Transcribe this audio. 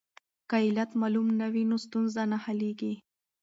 که علت معلوم نه وي نو ستونزه نه حلیږي.